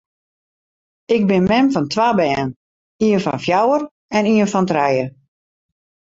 Ik bin mem fan twa bern, ien fan fjouwer en ien fan trije.